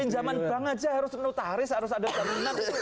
penjaman bank aja harus notaris harus ada terminat